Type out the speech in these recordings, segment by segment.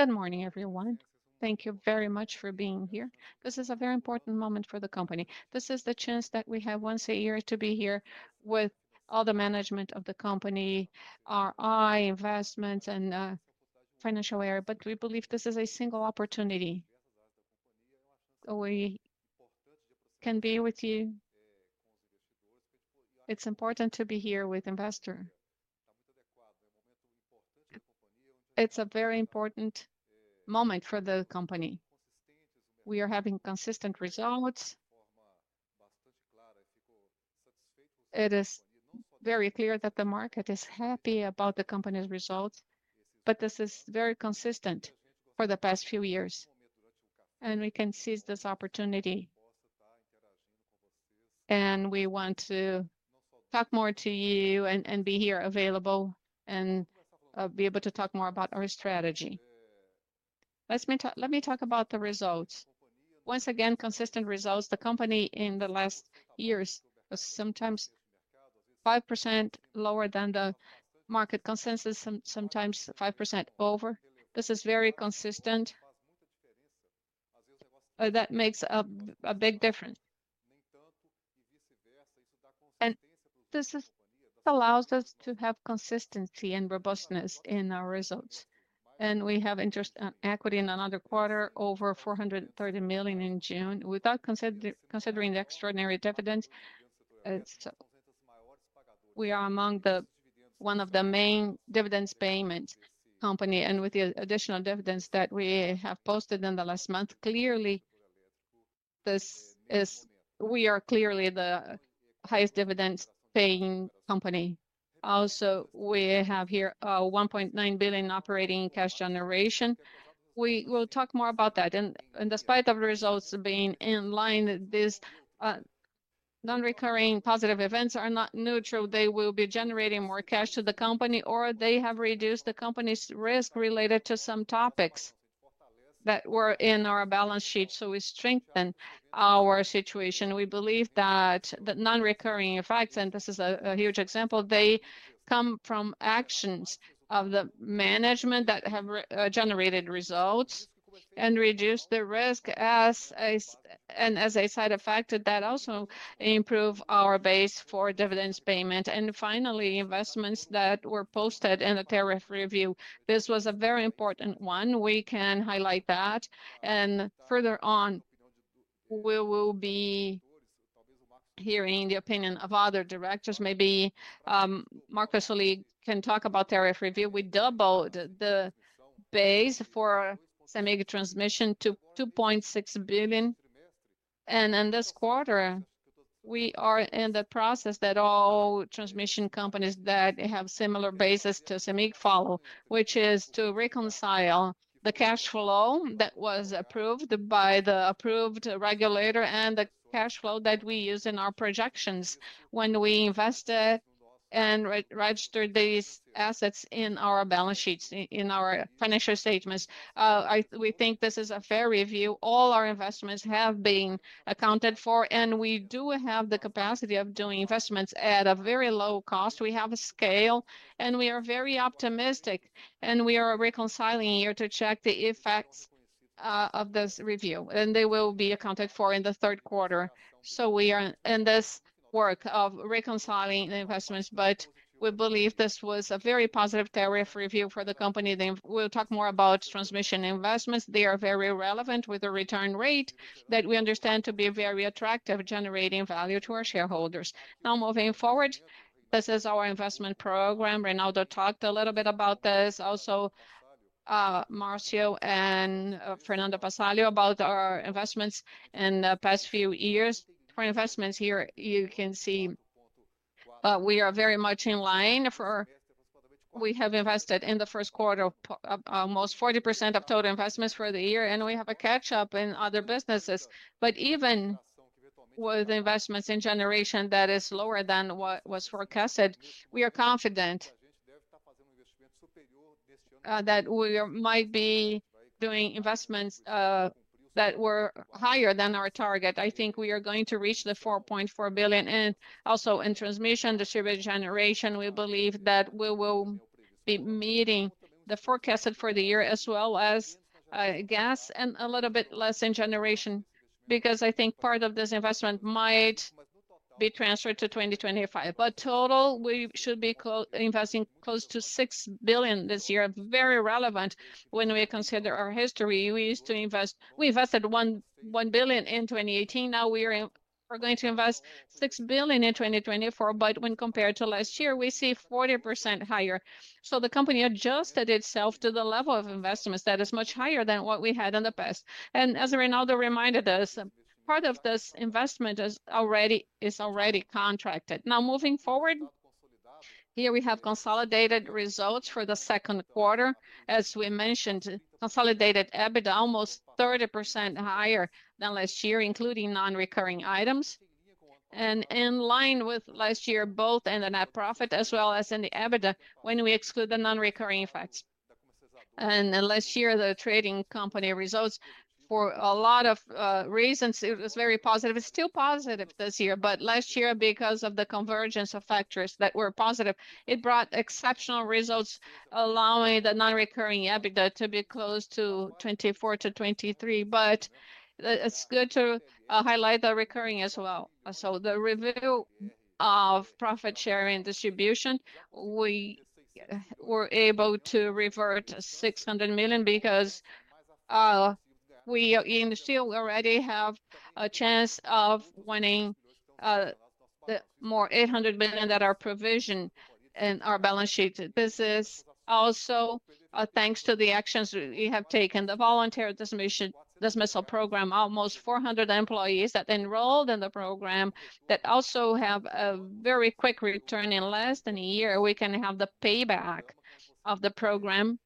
Good morning, everyone. Thank you very much for being here. This is a very important moment for the company. This is the chance that we have once a year to be here with all the management of the company, our equity investors, and financial area, but we believe this is a single opportunity, so we can be with you. It's important to be here with investors. It's a very important moment for the company. We are having consistent results. It is very clear that the market is happy about the company's results, but this is very consistent for the past few years, and we can seize this opportunity. We want to talk more to you and be here available, and be able to talk more about our strategy. Let me talk about the results. Once again, consistent results. The company in the last years is sometimes 5% lower than the market consensus, sometimes 5% over. This is very consistent. That makes a big difference. This allows us to have consistency and robustness in our results. We have interest on equity in another quarter, over 430 million in June. Without considering the extraordinary dividends, we are among the one of the main dividends payment company, and with the additional dividends that we have posted in the last month, clearly, this is. We are clearly the highest dividends paying company. Also, we have here a 1.9 billion operating cash generation. We will talk more about that. Despite of the results being in line, these non-recurring positive events are not neutral. They will be generating more cash to the company, or they have reduced the company's risk related to some topics that were in our balance sheet, so we strengthen our situation. We believe that the non-recurring effects, and this is a huge example, they come from actions of the management that have generated results and reduced the risk and as a side effect, that also improve our base for dividends payment. Finally, investments that were posted in the tariff review. This was a very important one. We can highlight that, and further on, we will be hearing the opinion of other directors. Maybe, Marco Tulio can talk about tariff review. We doubled the base for CEMIG Transmission to 2.6 billion, and in this quarter, we are in the process that all transmission companies that have similar bases to CEMIG follow, which is to reconcile the cash flow that was approved by the approved regulator and the cash flow that we use in our projections when we invested and re-registered these assets in our balance sheets, in our financial statements. We think this is a fair review. All our investments have been accounted for, and we do have the capacity of doing investments at a very low cost. We have a scale, and we are very optimistic, and we are reconciling here to check the effects of this review, and they will be accounted for in the third quarter. So we are in this work of reconciling the investments, but we believe this was a very positive tariff review for the company. Then we'll talk more about transmission investments. They are very relevant with the return rate that we understand to be very attractive, generating value to our shareholders. Now, moving forward, this is our investment program. Ronaldo talked a little bit about this, also, Marcio and, Fernando Vassallo, about our investments in the past few years. For investments here, you can see, we are very much in line for... We have invested in the first quarter, almost 40% of total investments for the year, and we have a catch-up in other businesses. But even with investments in generation that is lower than what was forecasted, we are confident that we might be doing investments that were higher than our target. I think we are going to reach 4.4 billion. And also in transmission, distribution, generation, we believe that we will be meeting the forecasted for the year, as well as gas and a little bit less in generation, because I think part of this investment might be transferred to 2025. But total, we should be investing close to 6 billion this year. Very relevant when we consider our history. We used to invest we invested 1 billion in 2018. Now we're going to invest 6 billion in 2024, but when compared to last year, we see 40% higher. The company adjusted itself to the level of investments that is much higher than what we had in the past. As Ronaldo reminded us, part of this investment is already contracted. Now, moving forward, here we have consolidated results for the second quarter. As we mentioned, consolidated EBITDA almost 30% higher than last year, including non-recurring items, and in line with last year, both in the net profit as well as in the EBITDA, when we exclude the non-recurring effects... and then last year, the trading company results for a lot of reasons, it was very positive. It's still positive this year, but last year, because of the convergence of factors that were positive, it brought exceptional results, allowing the non-recurring EBITDA to be close to 2.3 billion - 2.4 billion. But it's good to highlight the recurring as well. So the review of profit sharing distribution, we were able to revert 600 million because we still already have a chance of winning the more 800 million that are provisioned in our balance sheet. This is also thanks to the actions we have taken, the voluntary dismissal program, almost 400 employees that enrolled in the program, that also have a very quick return. In less than a year, we can have the payback of the program.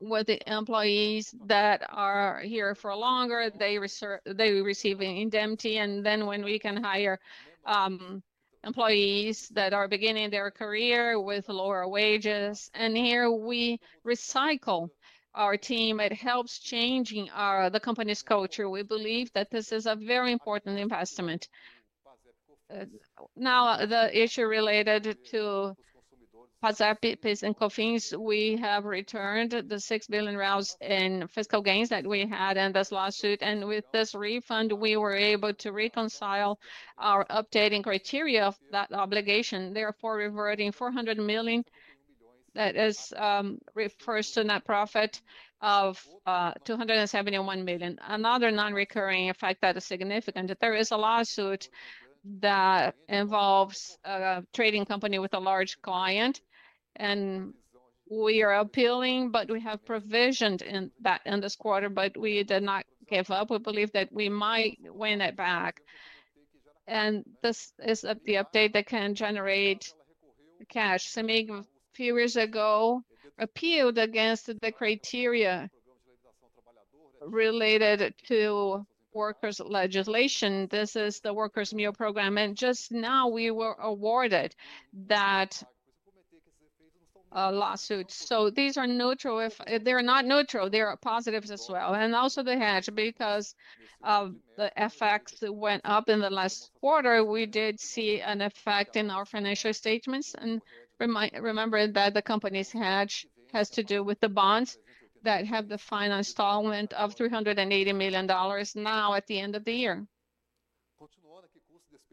With the employees that are here for longer, they receive an indemnity, and then when we can hire employees that are beginning their career with lower wages, and here we recycle our team. It helps changing our, the company's culture. We believe that this is a very important investment. Now, the issue related to PIS/Cofins, we have returned 6 billion in fiscal gains that we had in this lawsuit, and with this refund, we were able to reconcile our updating criteria of that obligation, therefore reverting 400 million, that is, refers to net profit of 271 million. Another non-recurring effect that is significant, that there is a lawsuit that involves a trading company with a large client, and we are appealing, but we have provisioned in this quarter, but we did not give up. We believe that we might win it back, and this is up the update that can generate cash. CEMIG, few years ago, appealed against the criteria related to workers' legislation. This is the Workers' Meal Program, and just now, we were awarded that lawsuit. So these are neutral. If... They're not neutral, they are positives as well. And also the hedge, because of the FX that went up in the last quarter, we did see an effect in our financial statements. And remember that the company's hedge has to do with the bonds that have the final installment of $380 million now, at the end of the year.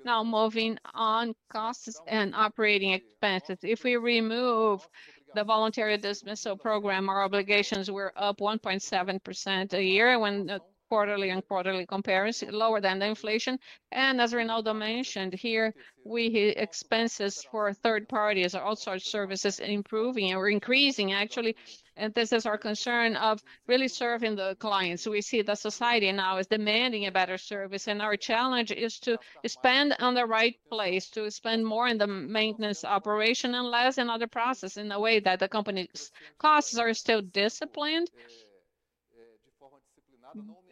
Now, moving on, costs and operating expenses. If we remove the voluntary dismissal program, our obligations were up 1.7% year-on-year quarterly and quarterly comparison, lower than the inflation. And as Ronaldo mentioned here, we... Expenses for third parties are also services improving and we're increasing actually, and this is our concern of really serving the clients. We see that society now is demanding a better service, and our challenge is to spend on the right place, to spend more in the maintenance, operation and less in other processes, in a way that the company's costs are still disciplined,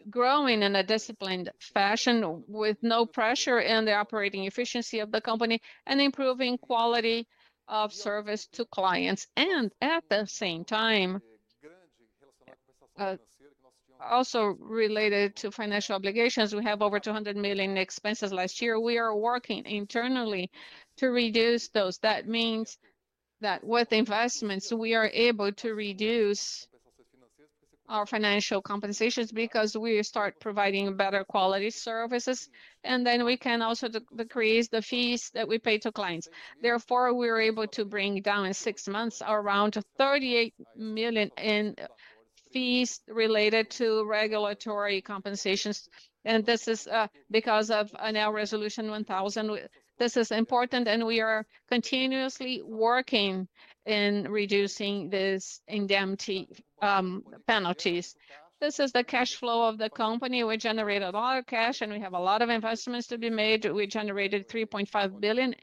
growing in a disciplined fashion, with no pressure in the operating efficiency of the company, and improving quality of service to clients. And at the same time, also related to financial obligations, we have over 200 million expenses last year. We are working internally to reduce those. That means that with investments, we are able to reduce our financial compensations because we start providing better quality services, and then we can also decrease the fees that we pay to clients. Therefore, we're able to bring down in 6 months around 38 million in fees related to regulatory compensations, and this is because of now Resolution 1,000. This is important, and we are continuously working in reducing this indemnity penalties. This is the cash flow of the company. We generated a lot of cash, and we have a lot of investments to be made. We generated 3.5 billion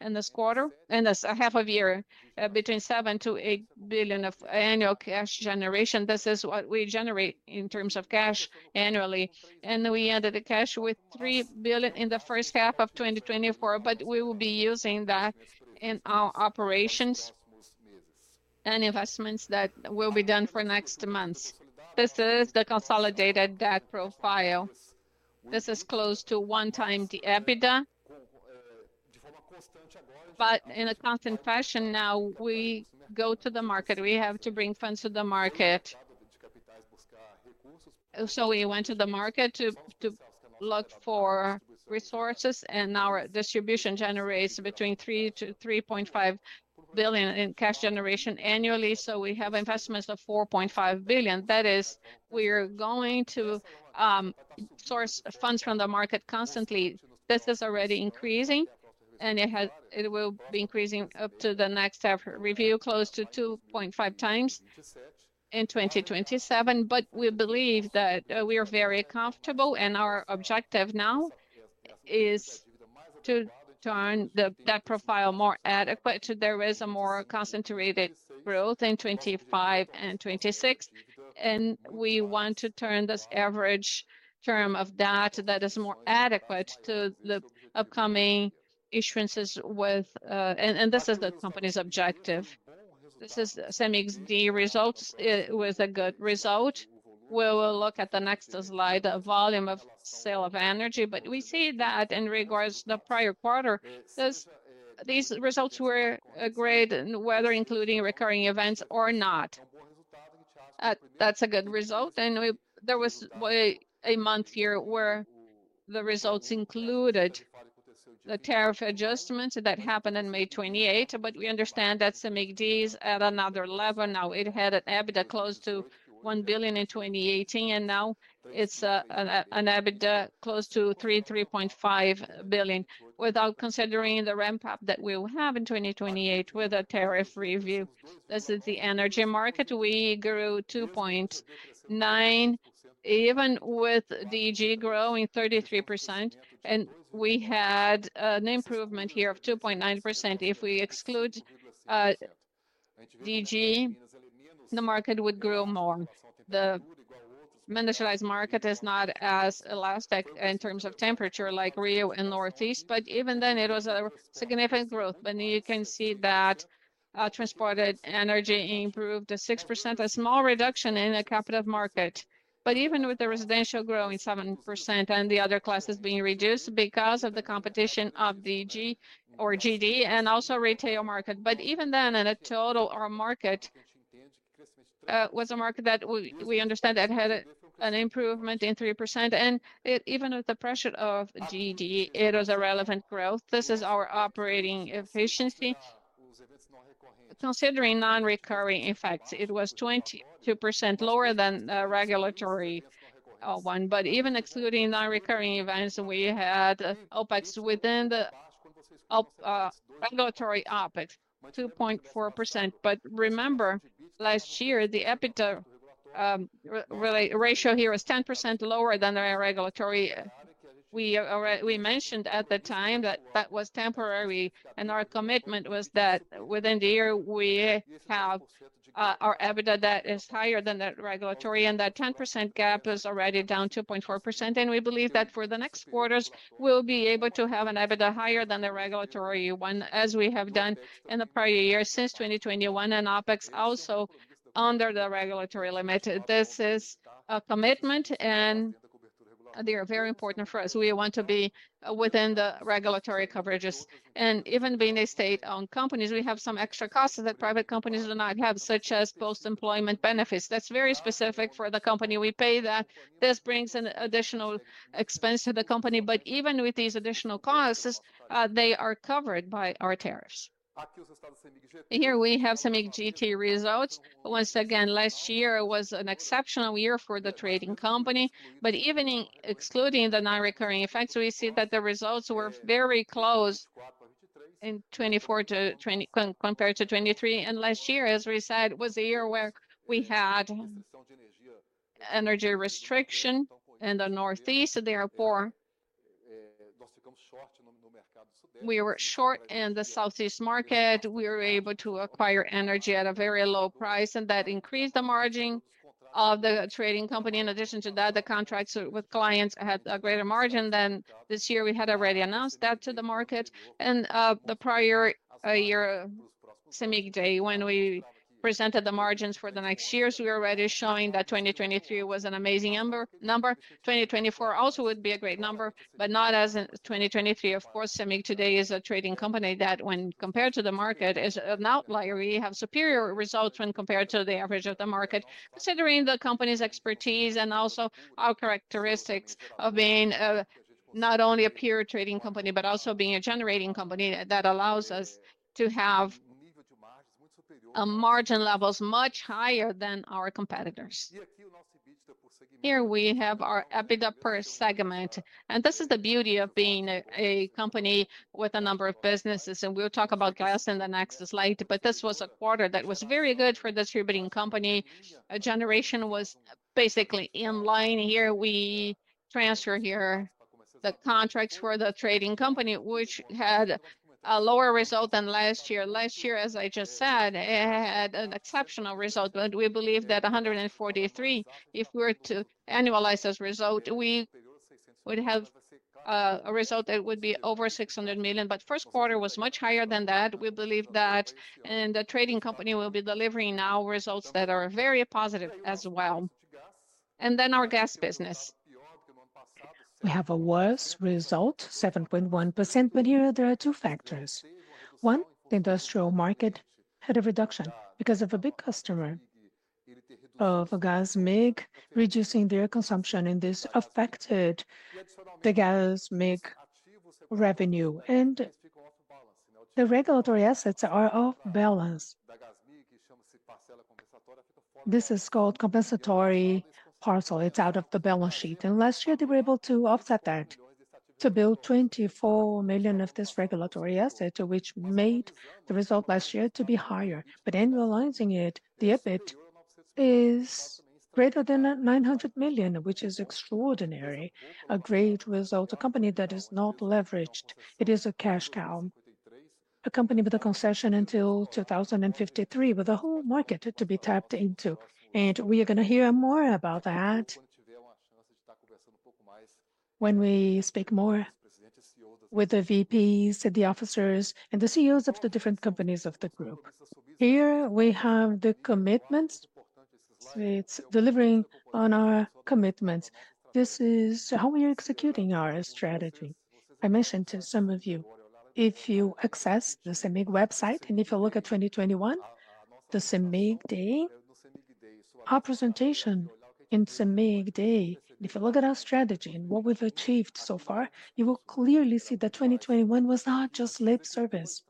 in this quarter, in this half of year, between 7 billion-8 billion of annual cash generation. This is what we generate in terms of cash annually, and we ended the cash with 3 billion in the first half of 2024, but we will be using that in our operations and investments that will be done for next months. This is the consolidated debt profile. This is close to 1x the EBITDA. But in a constant fashion, now we go to the market. We have to bring funds to the market. So we went to the market to look for resources, and our distribution generates between 3 billion and 3.5 billion in cash generation annually, so we have investments of 4.5 billion. That is, we are going to source funds from the market constantly. This is already increasing, and it will be increasing up to the next half review, close to 2.5 times in 2027. But we believe that we are very comfortable, and our objective now is to turn the debt profile more adequate. There is a more concentrated growth in 2025 and 2026, and we want to turn this average term of debt that is more adequate to the upcoming issuances with... This is the company's objective. This is CEMIG's. The results, it was a good result. We will look at the next slide, the volume of sale of energy. But we see that in regards to the prior quarter, those, these results were great, whether including recurring events or not. That's a good result, and we- There was a month here where the results included the tariff adjustments that happened in May 28, but we understand that CEMIG D is at another level now. It had an EBITDA close to 1 billion in 2018, and now it's an EBITDA close to 3.5 billion, without considering the ramp-up that we will have in 2028 with a tariff review. This is the energy market. We grew 2.9, even with DG growing 33%, and we had an improvement here of 2.9%. If we exclude DG, the market would grow more. The industrialized market is not as elastic in terms of temperature, like Rio and Northeast, but even then, it was a significant growth. And you can see that transported energy improved to 6%, a small reduction in the captive market. But even with the residential growing 7% and the other classes being reduced because of the competition of DG or GD, and also retail market. But even then, in a total, our market was a market that we understand that had an improvement in 3%, and it even with the pressure of GD, it was a relevant growth. This is our operating efficiency. Considering non-recurring effects, it was 22% lower than the regulatory one. But even excluding non-recurring events, we had OpEx within the regulatory OpEx, 2.4%. But remember, last year, the EBITDA ratio here was 10% lower than the regulatory. We mentioned at the time that that was temporary, and our commitment was that within the year, we have our EBITDA that is higher than the regulatory, and that 10% gap is already down 2.4%. And we believe that for the next quarters, we'll be able to have an EBITDA higher than the regulatory one, as we have done in the prior years, since 2021, and OpEx also under the regulatory limit. This is a commitment, and they are very important for us. We want to be within the regulatory coverages. Even being a state-owned companies, we have some extra costs that private companies do not have, such as post-employment benefits. That's very specific for the company. We pay that. This brings an additional expense to the company, but even with these additional costs, they are covered by our tariffs. Here, we have CEMIG GT results. Once again, last year was an exceptional year for the trading company, but even in excluding the non-recurring effects, we see that the results were very close in 2024 compared to 2023. Last year, as we said, was a year where we had energy restriction in the Northeast, therefore, we were short in the Southeast market. We were able to acquire energy at a very low price, and that increased the margin of the trading company. In addition to that, the contracts with clients had a greater margin than this year. We had already announced that to the market. The prior year, CEMIG Day, when we presented the margins for the next years, we were already showing that 2023 was an amazing number, number. 2024 also would be a great number, but not as in 2023. Of course, CEMIG today is a trading company that, when compared to the market, is an outlier. We have superior results when compared to the average of the market, considering the company's expertise and also our characteristics of being not only a pure trading company, but also being a generating company. That allows us to have margin levels much higher than our competitors. Here, we have our EBITDA per segment, and this is the beauty of being a, a company with a number of businesses, and we'll talk about gas in the next slide. But this was a quarter that was very good for distributing company. Generation was basically in line. Here, we transferred here the contracts for the trading company, which had a lower result than last year. Last year, as I just said, had an exceptional result, but we believe that 143 million, if we were to annualize this result, we would have, a result that would be over 600 million. But first quarter was much higher than that. We believe that, and the trading company will be delivering now results that are very positive as well. And then our gas business. We have a worse result, 7.1%, but here, there are two factors. One, the industrial market had a reduction because of a big customer of GASMIG reducing their consumption, and this affected the GASMIG revenue. And the regulatory assets are off balance. This is called compensatory parcel. It's out of the balance sheet. And last year, they were able to offset that, to build 24 million of this regulatory asset, which made the result last year to be higher. But annualizing it, the EBIT is greater than 900 million, which is extraordinary, a great result. A company that is not leveraged, it is a cash cow, a company with a concession until 2053, with a whole market to be tapped into. We are gonna hear more about that when we speak more with the VPs and the officers and the CEOs of the different companies of the group. Here, we have the commitments. It's delivering on our commitments. This is how we are executing our strategy. I mentioned to some of you, if you access the CEMIG website, and if you look at 2021, the CEMIG Day, our presentation in CEMIG Day, if you look at our strategy and what we've achieved so far, you will clearly see that 2021 was not just lip service.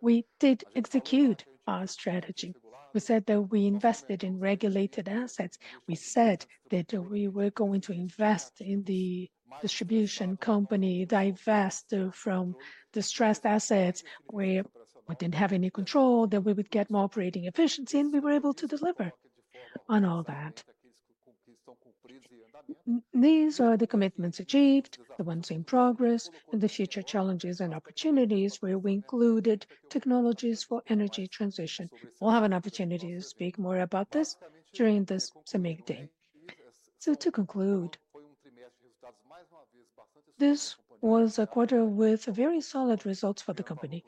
We did execute our strategy. We said that we invested in regulated assets. We said that we were going to invest in the distribution company, divest from distressed assets where we didn't have any control, that we would get more operating efficiency, and we were able to deliver on all that. These are the commitments achieved, the ones in progress, and the future challenges and opportunities, where we included technologies for energy transition. We'll have an opportunity to speak more about this during this CEMIG Day. So to conclude, this was a quarter with very solid results for the company.